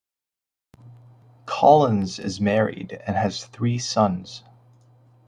Collins is married and has three sons.